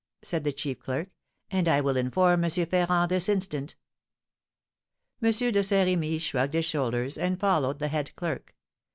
said the chief clerk, "and I will inform M. Ferrand this instant." M. de Saint Remy shrugged his shoulders, and followed the head clerk.